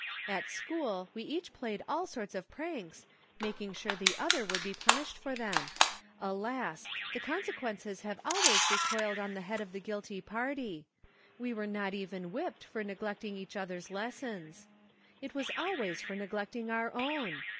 At school we each played all sorts of pranks, making sure the other would be punished for them. Alas! the consequences have always recoiled on the head of the guilty party. We were not even whipped for neglecting each other's lessons. It was always for neglecting our own.